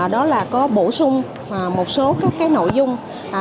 đó là có bổ sung một số các nội dung